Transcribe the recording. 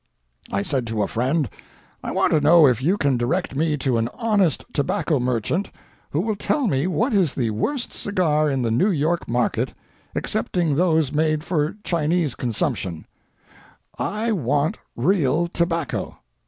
I said to a friend, "I want to know if you can direct me to an honest tobacco merchant who will tell me what is the worst cigar in the New York market, excepting those made for Chinese consumption—I want real tobacco.